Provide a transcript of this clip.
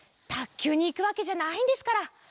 たっきゅうにいくわけじゃないんですから。